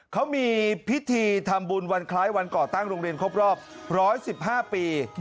เขามีพิธีทำบุญวันคล้ายวันก่อตั้งโรงเรียนครบรอบ๑๑๕ปี